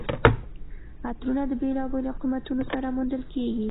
عطرونه د بېلابېلو قیمتونو سره موندل کیږي.